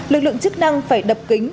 lực lượng chức năng phải đập kính